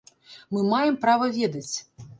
Мы маем права ведаць.